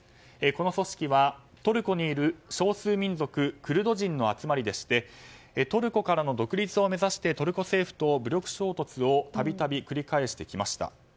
この組織はトルコにいる少数民族クルド人の集まりでしてトルコからの独立を目指してトルコ政府と武力衝突を度々、繰り返してきました。